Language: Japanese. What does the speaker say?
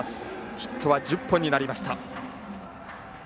ヒットは１０本になりました。